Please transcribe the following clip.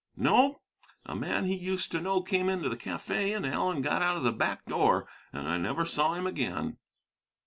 "No. A man he used to know came into the cafe, and Allen got out of the back door. And I never saw him again."